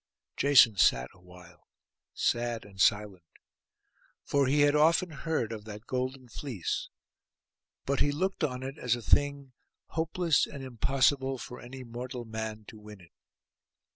Jason sat awhile, sad and silent; for he had often heard of that golden fleece; but he looked on it as a thing hopeless and impossible for any mortal man to win it.